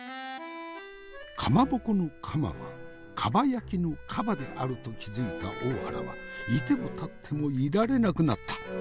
蒲鉾の蒲は蒲焼きの蒲であると気付いた大原は居ても立ってもいられなくなった。